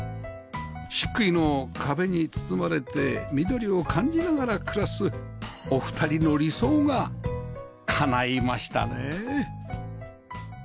漆喰の壁に包まれて緑を感じながら暮らすお二人の理想が叶いましたね